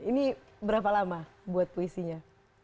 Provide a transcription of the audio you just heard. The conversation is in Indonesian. ini berapa lama buat puisinya